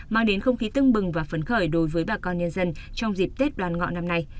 mang đến không khí tưng bừng và phấn khởi đối với bà con nhân dân trong dịp tết đoàn ngọ năm nay